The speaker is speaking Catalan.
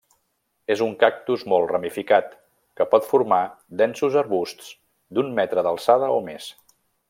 És un cactus molt ramificat, que pot formar densos arbusts d'un metre d'alçada o més.